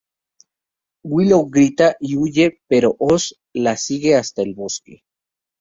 Willow grita y huye, pero Oz la sigue hasta el bosque.